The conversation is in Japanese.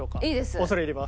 恐れ入ります。